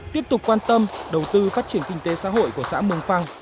tiếp tục quan tâm đầu tư phát triển kinh tế xã hội của xã mường phăng